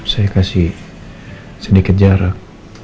saya kasih sedikit jarak